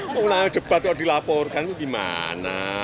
kalau debat dilaporkan gimana